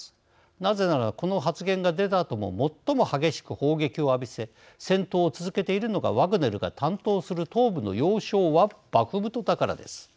なぜならこの発言が出たあとも最も激しく砲撃を浴びせ戦闘を続けているのがワグネルが担当する東部の要衝バフムトだからです。